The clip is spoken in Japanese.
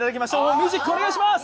ミュージックお願いします。